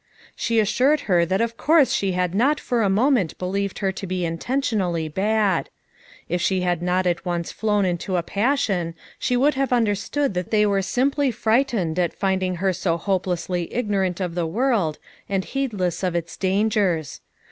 She assured her that of course she had not for a moment believed her to be intentionally bad; if she had not at once flown into a passion she would have understood that they were simply frightened at finding her so hopelessly ignorant of the world, and heedless of its dan gers.